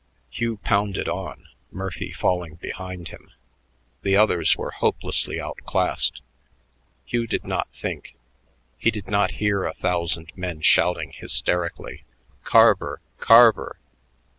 Hugh pounded on, Murphy falling behind him. The others were hopelessly outclassed. Hugh did not think; he did not hear a thousand men shouting hysterically, "Carver! Carver!"